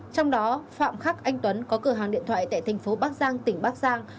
trong đó phạm khắc anh tuấn có cửa hàng điện thoại tại thành phố bắc giang tỉnh bắc giang